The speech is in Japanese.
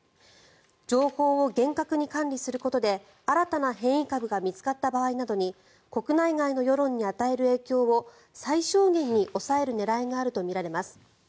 情報を厳格に管理することで新たな変異株が見つかった場合などに国内外の世論に与える影響を最小限に抑える狙いがあるとみられます。